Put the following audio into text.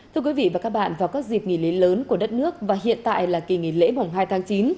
thưa quý vị và các bạn vào các dịp nghỉ lễ lớn của đất nước và hiện tại là kỳ nghỉ lễ mùng hai tháng chín